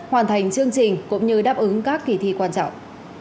hoàn thành chương trình cũng như đáp ứng các kỳ thi quan trọng